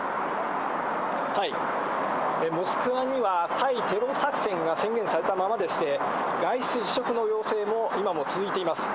モスクワには、対テロ作戦が宣言されたままでして、外出自粛の要請も、今も続いています。